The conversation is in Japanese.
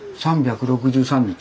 ３６３日？